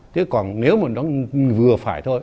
thế còn nếu mà nó vừa phải thôi